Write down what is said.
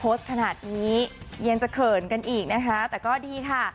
โพสต์ขนาดนี้เย็นจะเขินกันอีกนะคะแต่ก็ดีค่ะ